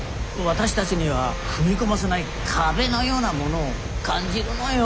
私たちには踏み込ませない壁のようなものを感じるのよ。